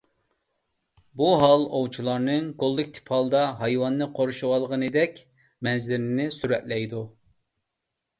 بۇ ھال ئوۋچىلارنىڭ كوللېكتىپ ھالدا ھايۋاننى قورشىۋالغانلىقىدەك مەنزىرىنى سۈرەتلەيدۇ.